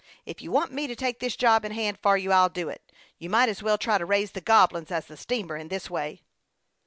If you want me to take this job in hand for you, I'll do it. You might as well try to raise the Goblins as the steamer in this way."